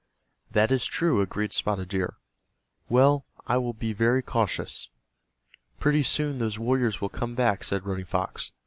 "That is true," agreed Spotted Deer. "Well, I will be very cautious." "Pretty soon those warriors will come back," said Running Fox.